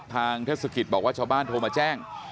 เทศกิจบอกว่าชาวบ้านโทรมาแจ้ง